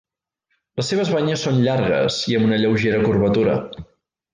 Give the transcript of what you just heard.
Les seves banyes són llargues i amb una lleugera curvatura.